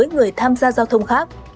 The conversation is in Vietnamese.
người tham gia giao thông khác